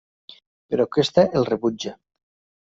Però aquesta el rebutja.